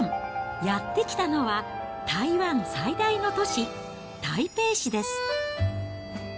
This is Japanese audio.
やって来たのは、台湾最大の都市、台北市です。